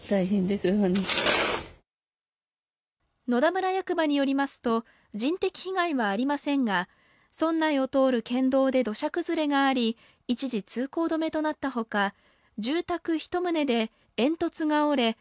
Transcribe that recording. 野田村役場によりますと人的被害はありませんが村内を通る県道で土砂崩れがあり、一時通行止めとなったほか住宅１棟で煙突が折れ